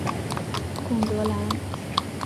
贡德兰。